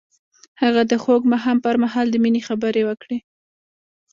هغه د خوږ ماښام پر مهال د مینې خبرې وکړې.